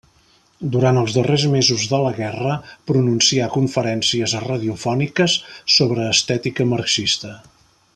Durant els darrers mesos de la guerra pronuncià conferències radiofòniques sobre estètica marxista.